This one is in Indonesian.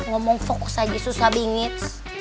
ngomong fokus aja susah bingit